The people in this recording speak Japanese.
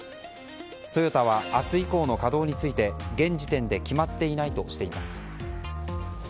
トヨタは明日以降の稼働について現時点で決まっていないとしています。